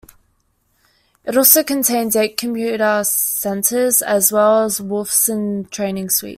It also contains eight computer centres as well as the Wolfson training suite.